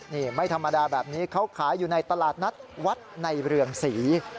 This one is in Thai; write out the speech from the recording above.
นี่ไม่ธรรมดาแบบนี้เขาขายอยู่ในตลาดนัดวัดในเรืองศรี